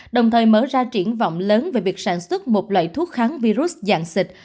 đồng thời mở ra triển vọng lớn về việc sản xuất một loại thuốc kháng virus dạng xịt